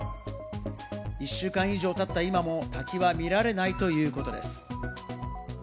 １週間以上経った今も滝は見られないということです。